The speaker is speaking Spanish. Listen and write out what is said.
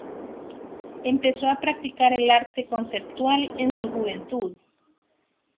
Empezó a practicar el arte conceptual en su juventud.